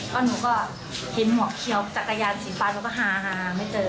ก็หนูก็เห็นหัวเขียวจากการ์ยานศีรษะลุกยังฮาไม่เจอ